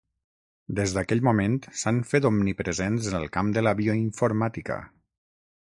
Des d'aquell moment, s'han fet omnipresents en el camp de la bioinformàtica.